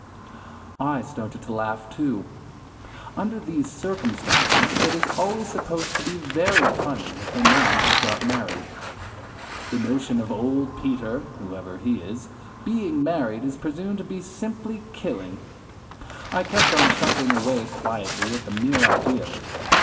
I started to laugh, too. Under these circumstances it is always supposed to be very funny if a man has got married. The notion of old Peter (whoever he is) being married is presumed to be simply killing. I kept on chuckling away quietly at the mere idea of it.